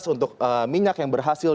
untuk minyak yang berhasil